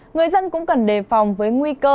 người dân cũng cần đề phòng với nguy cơ